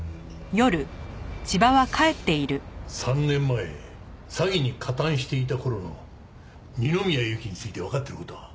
３年前詐欺に加担していた頃の二宮ゆきについてわかっている事は？